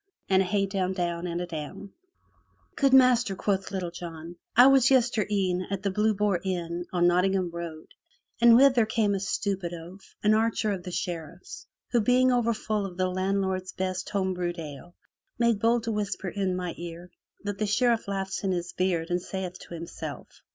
And a hey down, down and a down! "Good master," quoth Little John, "I was yestere'en at the Blue Boar Inn on Nottingham Road and thither came a stupid oaf, an archer of the Sheriff*s, who being over full of the land lord's best home brewed ale, made bold to whisper in mine ear that the Sheriff laughs in his beard and saith to himself.